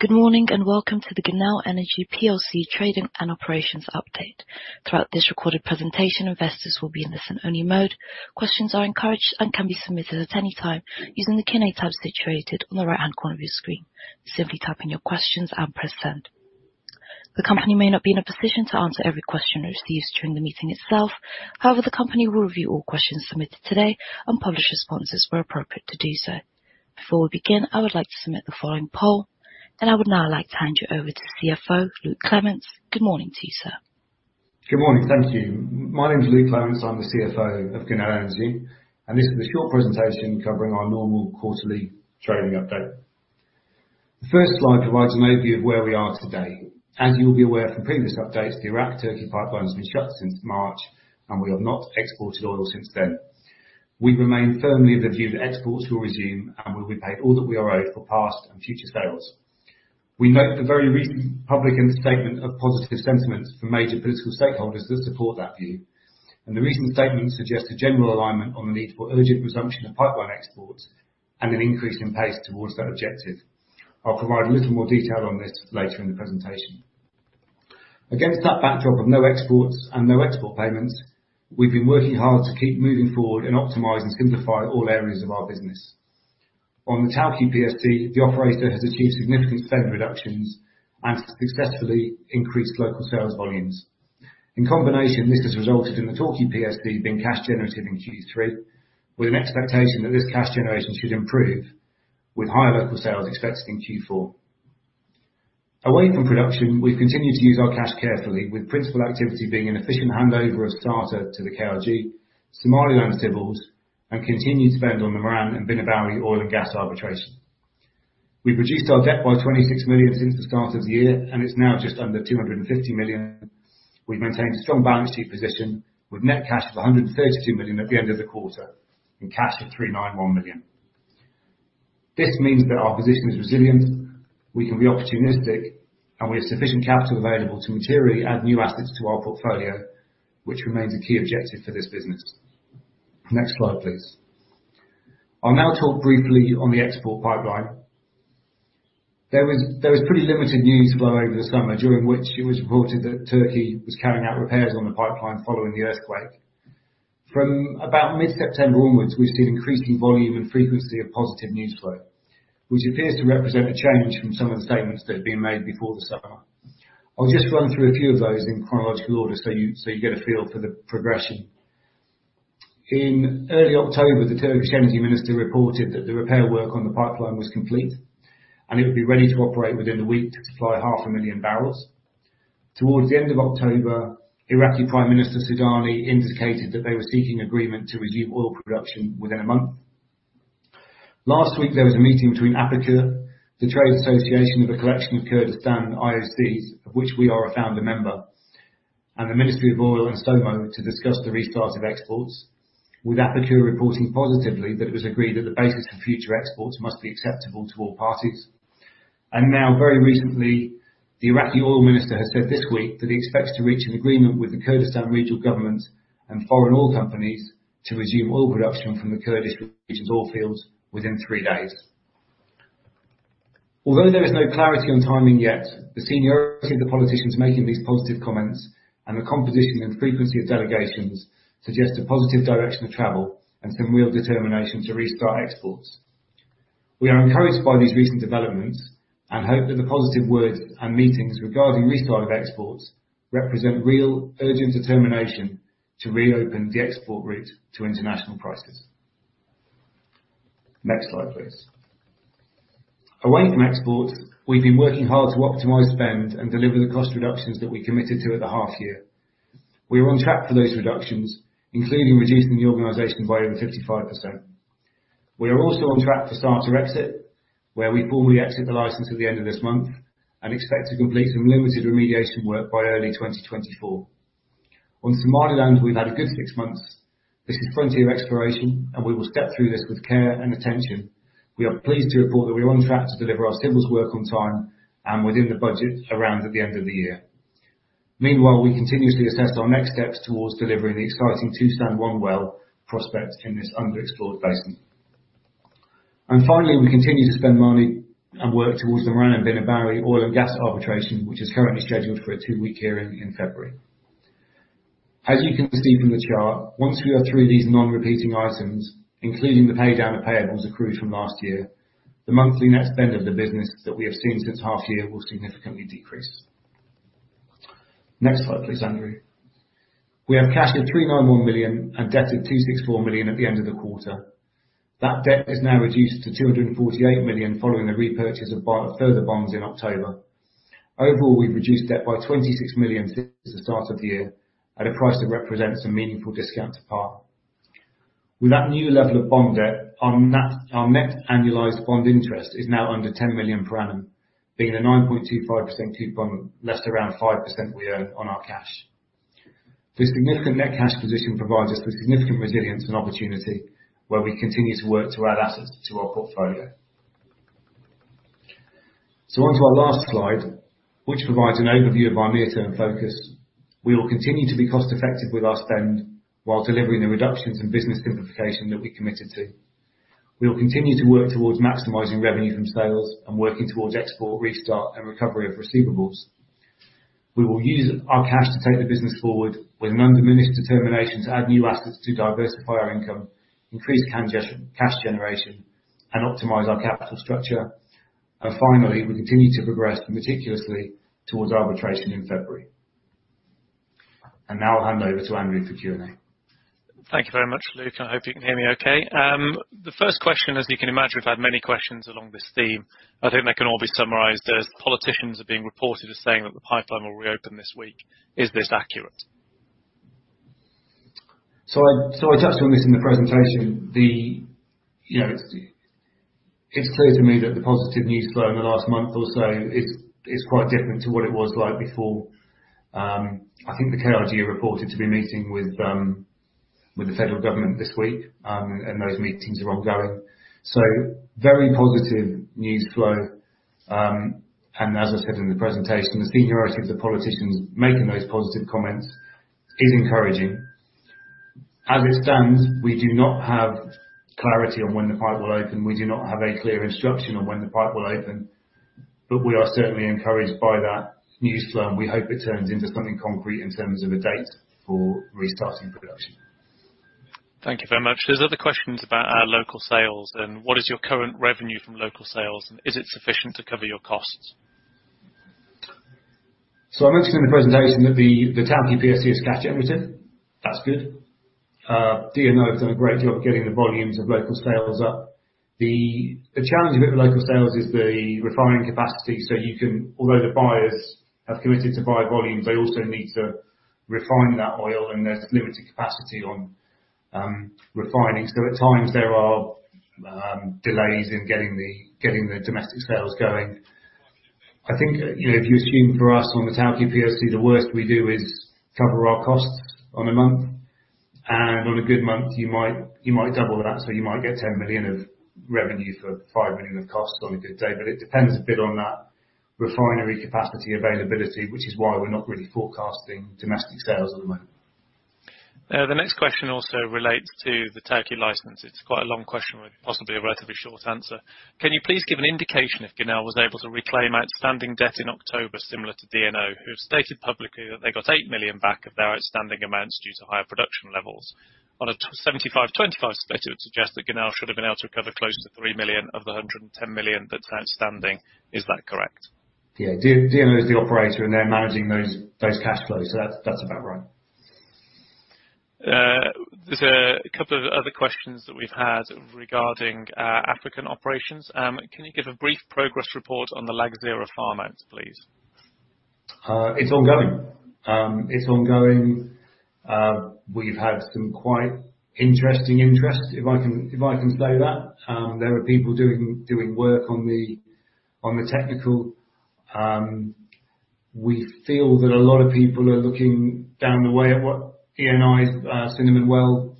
Good morning, and welcome to the Genel Energy plc trading and operations update. Throughout this recorded presentation, investors will be in listen only mode. Questions are encouraged and can be submitted at any time using the Q&A tab situated on the right-hand corner of your screen. Simply type in your questions and press Send. The company may not be in a position to answer every question received during the meeting itself. However, the company will review all questions submitted today and publish responses where appropriate to do so. Before we begin, I would like to submit the following poll, and I would now like to hand you over to CFO Luke Clements. Good morning to you, sir. Good morning. Thank you. My name is Luke Clements. I'm the CFO of Genel Energy, and this is a short presentation covering our normal quarterly trading update. The first slide provides an overview of where we are today. As you'll be aware from previous updates, the Iraq-Turkey Pipeline has been shut since March, and we have not exported oil since then. We remain firmly of the view that exports will resume, and we'll be paid all that we are owed for past and future sales. We note the very recent public statement of positive sentiments from major political stakeholders that support that view, and the recent statement suggests a general alignment on the need for urgent resumption of pipeline exports, and an increase in pace towards that objective. I'll provide a little more detail on this later in the presentation. Against that backdrop of no exports and no export payments, we've been working hard to keep moving forward and optimize and simplify all areas of our business. On the Tawke PSC, the operator has achieved significant spend reductions and successfully increased local sales volumes. In combination, this has resulted in the Tawke PSC being cash generative in Q3, with an expectation that this cash generation should improve with higher local sales expected in Q4. Away from production, we've continued to use our cash carefully, with principal activity being an efficient handover of data to the KRG, Somaliland civils, and continued spend on the Miran and Bina Bawi Oil and Gas Arbitration. We've reduced our debt by $26,000,000 since the start of the year, and it's now just under $250,000,000. We've maintained a strong balance sheet position, with net cash of $132,000,000 at the end of the quarter, and cash of $391,000,000. This means that our position is resilient, we can be opportunistic, and we have sufficient capital available to materially add new assets to our portfolio, which remains a key objective for this business. Next slide, please. I'll now talk briefly on the export pipeline. There was pretty limited news flow over the summer, during which it was reported that Turkey was carrying out repairs on the pipeline following the earthquake. From about mid-September onwards, we've seen increasing volume and frequency of positive news flow, which appears to represent a change from some of the statements that have been made before the summer. I'll just run through a few of those in chronological order, so you get a feel for the progression. In early October, the Turkish Energy Minister reported that the repair work on the pipeline was complete, and it would be ready to operate within the week to supply 500,000 barrels. Towards the end of October, Iraqi Prime Minister Sudani indicated that they were seeking agreement to resume oil production within a month. Last week, there was a meeting between APIKUR, the trade association with the Kurdistan IOCs, of which we are a founder member, and the Ministry of Oil and SOMO, to discuss the restart of exports, with APIKUR reporting positively that it was agreed that the basis for future exports must be acceptable to all parties. And now, very recently, the Iraqi Oil Minister has said this week that he expects to reach an agreement with the Kurdistan Regional Government and foreign oil companies to resume oil production from the Kurdish region's oil fields within three days. Although there is no clarity on timing yet, the seniority of the politicians making these positive comments, and the composition and frequency of delegations, suggest a positive direction of travel and some real determination to restart exports. We are encouraged by these recent developments and hope that the positive words and meetings regarding restart of exports represent real, urgent determination to reopen the export route to international prices. Next slide, please. Away from exports, we've been working hard to optimize spend and deliver the cost reductions that we committed to at the half year. We're on track for those reductions, including reducing the organization by over 55%. We are also on track for Sarta exit, where we formally exit the license at the end of this month and expect to complete some limited remediation work by early 2024. On Somaliland, we've had a good six months. This is frontier exploration, and we will step through this with care and attention. We are pleased to report that we're on track to deliver our seismic work on time and within the budget around the end of the year. Meanwhile, we continuously assess our next steps towards delivering the exciting Toos-1 well prospect in this underexplored basin. And finally, we continue to spend money and work towards the Miran and Bina Bawi Oil and Gas Arbitration, which is currently scheduled for a two-week hearing in February. As you can see from the chart, once we are through these non-repeating items, including the pay down of payables accrued from last year, the monthly net spend of the business that we have seen since half year will significantly decrease. Next slide please, Andrew. We have cash of $391,000,000 and debt of $264,000,000 at the end of the quarter. That debt is now reduced to $248,000,000, following the repurchase of buy-back of further bonds in October. Overall, we've reduced debt by $26,000,000 since the start of the year, at a price that represents a meaningful discount to par. With that new level of bond debt, our net annualized bond interest is now under $10,000,000 per annum, being the 9.25% coupon, less around 5% we earn on our cash. This significant net cash position provides us with significant resilience and opportunity, where we continue to work to add assets to our portfolio. So onto our last slide, which provides an overview of our near-term focus. We will continue to be cost effective with our spend, while delivering the reductions in business simplification that we committed to. We will continue to work towards maximizing revenue from sales and working towards export restart and recovery of receivables. We will use our cash to take the business forward with an undiminished determination to add new assets to diversify our income, increase cash generation, and optimize our capital structure. And finally, we continue to progress meticulously towards arbitration in February. And now I'll hand over to Andrew for Q&A. Thank you very much, Luke. I hope you can hear me okay. The first question, as you can imagine, I've had many questions along this theme. I think they can all be summarized as, politicians are being reported as saying that the pipeline will reopen this week. Is this accurate? So I touched on this in the presentation. You know, it's clear to me that the positive news flow in the last month or so is quite different to what it was like before. I think the KRG reported to be meeting with the federal government this week, and those meetings are ongoing. So very positive news flow. And as I said in the presentation, the seniority of the politicians making those positive comments is encouraging. As it stands, we do not have clarity on when the pipe will open. We do not have a clear instruction on when the pipe will open, but we are certainly encouraged by that news flow, and we hope it turns into something concrete in terms of a date for restarting production. Thank you very much. There's other questions about, local sales, and what is your current revenue from local sales, and is it sufficient to cover your costs? So I mentioned in the presentation that the Tawke PSC is cash generative. That's good. DNO has done a great job of getting the volumes of local sales up. The challenge with the local sales is the refining capacity, so you can—although the buyers have committed to buy volumes, they also need to refine that oil, and there's limited capacity on refining. So at times, there are delays in getting the domestic sales going. I think, you know, if you assume for us on the Tawke PSC, the worst we do is cover our costs on a month, and on a good month, you might double that. So you might get $10,000,000 of revenue for $5,000,000 of costs on a good day. It depends a bit on that refinery capacity availability, which is why we're not really forecasting domestic sales at the moment. The next question also relates to the Tawke license. It's quite a long question with possibly a relatively short answer. Can you please give an indication if Genel was able to reclaim outstanding debt in October, similar to DNO, who have stated publicly that they got $8,000,000back of their outstanding amounts due to higher production levels? On a 75-25 split, it would suggest that Genel should have been able to recover closer to $3,000,000 of the $110,000,000 that's outstanding. Is that correct? Yeah. DNO is the operator, and they're managing those cash flows, so that's about right. There's a couple of other questions that we've had regarding African operations. Can you give a brief progress report on the Lagzira farm-out, please? It's ongoing. It's ongoing. We've had some quite interesting interests, if I can say that. There are people doing work on the technical. We feel that a lot of people are looking down the way at what ENI's Cinnamon well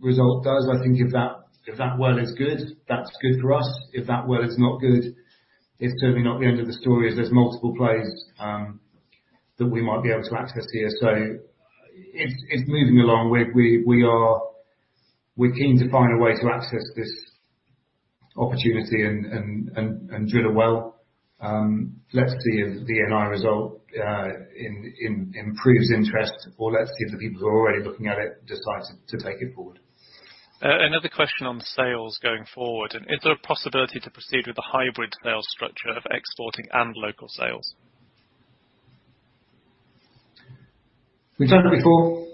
result does. I think if that well is good, that's good for us. If that well is not good, it's certainly not the end of the story, as there's multiple plays that we might be able to access here. So it's moving along. We're keen to find a way to access this opportunity and drill a well. Let's see if the ENI result improves interest, or let's see if the people who are already looking at it decide to take it forward. Another question on sales going forward. Is there a possibility to proceed with the hybrid sales structure of exporting and local sales? We've done it before.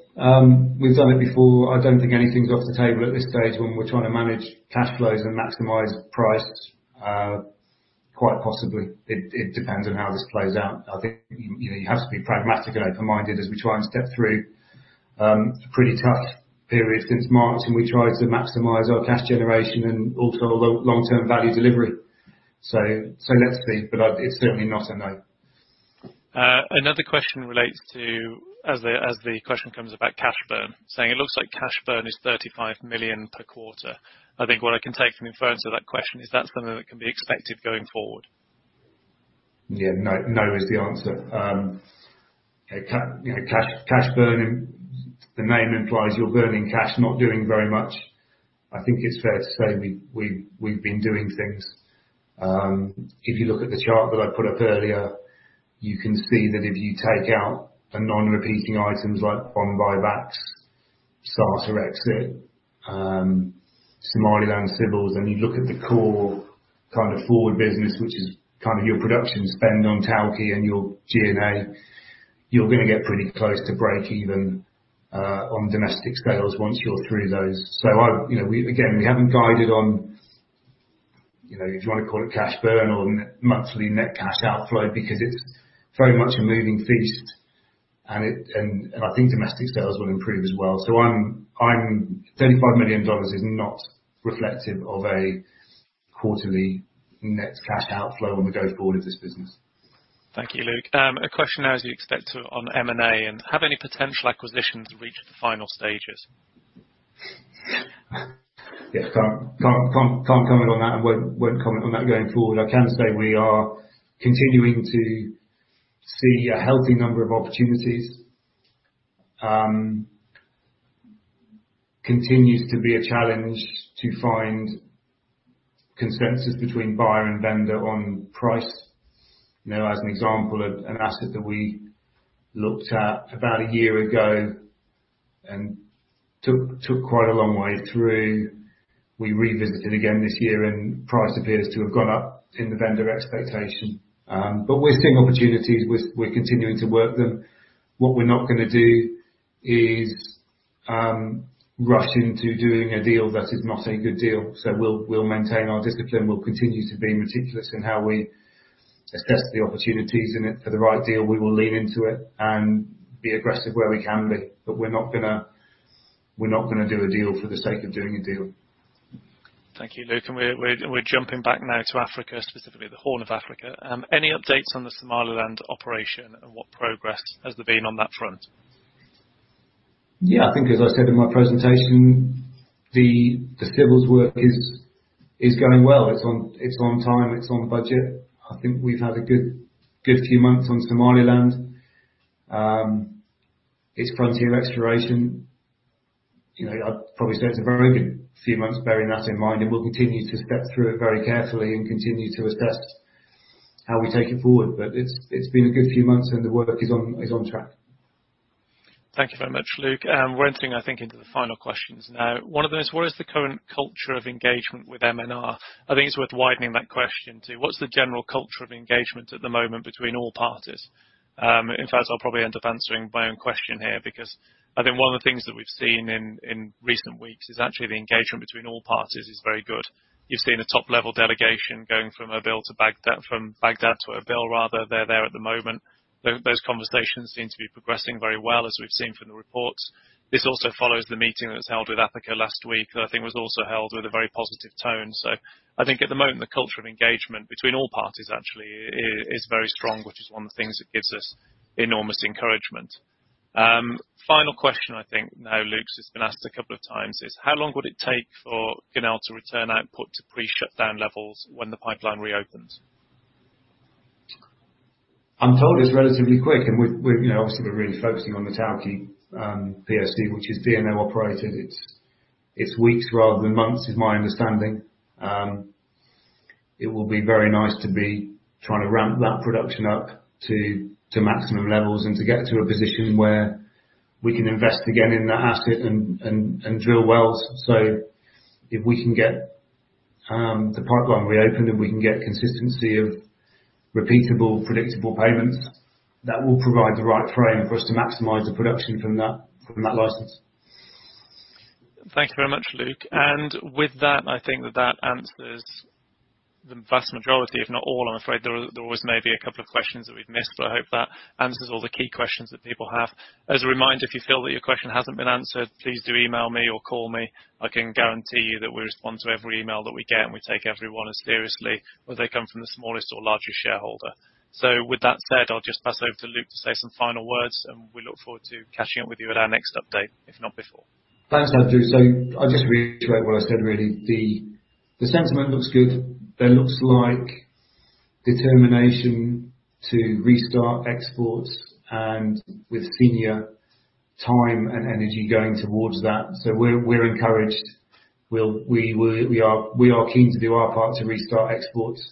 We've done it before. I don't think anything's off the table at this stage when we're trying to manage cash flows and maximize price. Quite possibly. It depends on how this plays out. I think, you know, you have to be pragmatic and open-minded as we try and step through a pretty tough period since March, and we try to maximize our cash generation and also our long-term value delivery. So let's see, but I, it's certainly not a no. Another question relates to, as the, as the question comes about cash burn, saying it looks like cash burn is $35,000,000 per quarter. I think what I can take from inference of that question is that something that can be expected going forward? Yeah. No, no is the answer. You know, cash, cash burn, the name implies you're burning cash, not doing very much. I think it's fair to say we've been doing things. If you look at the chart that I put up earlier, you can see that if you take out the non-repeating items like bond buybacks, Sarta exit, Somaliland civils, and you look at the core kind of forward business, which is kind of your production spend on Tawke and your G&A, you're going to get pretty close to breakeven on domestic sales once you're through those. So I... You know, we've again, we haven't guided on, you know, if you want to call it cash burn or net monthly net cash outflow, because it's very much a moving feast, and I think domestic sales will improve as well. $35,000,000 is not reflective of a quarterly net cash outflow when we go forward with this business. Thank you, Luke. A question now, as we expect, on M&A, and have any potential acquisitions reached the final stages?... Yes, can't comment on that, and won't comment on that going forward. I can say we are continuing to see a healthy number of opportunities. Continues to be a challenge to find consensus between buyer and vendor on price. You know, as an example, an asset that we looked at about a year ago and took quite a long way through, we revisited again this year, and price appears to have gone up in the vendor expectation. But we're seeing opportunities, we're continuing to work them. What we're not gonna do is rush into doing a deal that is not a good deal. So we'll maintain our discipline. We'll continue to be meticulous in how we assess the opportunities, and if for the right deal, we will lean into it and be aggressive where we can be. We're not gonna, we're not gonna do a deal for the sake of doing a deal. Thank you, Luke. We're jumping back now to APIKUR, specifically the Horn of Africa. Any updates on the Somaliland operation, and what progress has there been on that front? Yeah, I think, as I said in my presentation, the civils work is going well. It's on time, it's on budget. I think we've had a good few months on Somaliland. It's frontier exploration. You know, I'd probably say it's a very good few months bearing that in mind, and we'll continue to step through it very carefully and continue to assess how we take it forward. But it's been a good few months, and the work is on track. Thank you very much, Luke. We're entering, I think, into the final questions now. One of them is: What is the current culture of engagement with MNR? I think it's worth widening that question to, what's the general culture of engagement at the moment between all parties? In fact, I'll probably end up answering my own question here, because I think one of the things that we've seen in recent weeks is actually the engagement between all parties is very good. You've seen a top-level delegation going from Erbil to Baghdad, from Baghdad to Erbil, rather. They're there at the moment. Those conversations seem to be progressing very well, as we've seen from the reports. This also follows the meeting that was held with Africa last week, that I think was also held with a very positive tone. So I think at the moment, the culture of engagement between all parties actually is very strong, which is one of the things that gives us enormous encouragement. Final question, I think, now, Luke, it's been asked a couple of times, is: How long would it take for Genel to return output to pre-shutdown levels when the pipeline reopens? I'm told it's relatively quick, and we've-- you know, obviously, we're really focusing on the Tawke PSC, which is DNO operated. It's weeks rather than months, is my understanding. It will be very nice to be trying to ramp that production up to maximum levels and to get to a position where we can invest again in that asset and drill wells. So if we can get the pipeline reopened, and we can get consistency of repeatable, predictable payments, that will provide the right frame for us to maximize the production from that license. Thank you very much, Luke. With that, I think that that answers the vast majority, if not all. I'm afraid there always may be a couple of questions that we've missed, but I hope that answers all the key questions that people have. As a reminder, if you feel that your question hasn't been answered, please do email me or call me. I can guarantee you that we respond to every email that we get, and we take everyone as seriously, whether they come from the smallest or largest shareholder. With that said, I'll just pass over to Luke to say some final words, and we look forward to catching up with you at our next update, if not before. Thanks, Andrew. So I just reiterate what I said really. The sentiment looks good. There looks like determination to restart exports and with senior time and energy going towards that, so we're encouraged. We are keen to do our part to restart exports.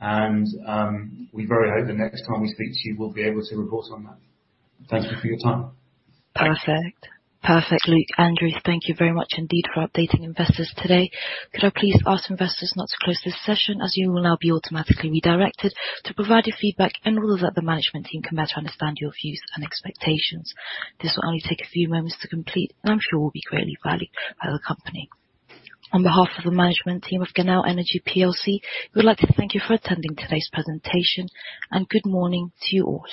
We very hope the next time we speak to you, we'll be able to report on that. Thank you for your time. Perfect. Perfect, Luke, Andrew, thank you very much indeed for updating investors today. Could I please ask investors not to close this session, as you will now be automatically redirected to provide your feedback and rule that the management team can better understand your views and expectations. This will only take a few moments to complete, and I'm sure will be greatly valued by the company. On behalf of the management team of Genel Energy plc, we would like to thank you for attending today's presentation, and good morning to you all.